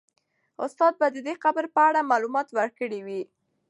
استاد به د دې قبر په اړه معلومات ورکړي وي.